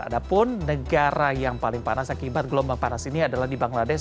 ada pun negara yang paling panas akibat gelombang panas ini adalah di bangladesh